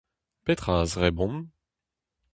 Petra a zebront ?